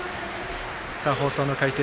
放送の解説